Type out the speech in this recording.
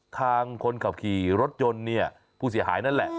ทางคนขับขี่รถยนต์เนี่ยผู้เสียหายนั่นแหละ